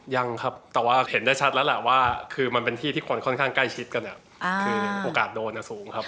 ยังครับแต่ว่าเห็นได้ชัดแล้วแหละว่าคือมันเป็นที่ที่คนค่อนข้างใกล้ชิดกันคือโอกาสโดนสูงครับ